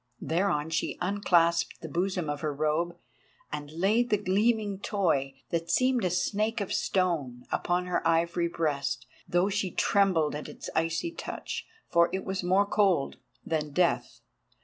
Thereon she unclasped the bosom of her robe and laid the gleaming toy, that seemed a snake of stone, upon her ivory breast, though she trembled at its icy touch, for it was more cold than death.